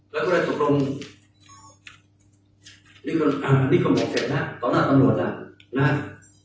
แล้วก็เลยสมมติอ่านี่คนอ่านนี่คนบอกเสร็จนะตอนหน้าตำหล่วงน่ะนะฮะ